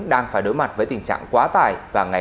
đang phải đối mặt với tình trạng quá tài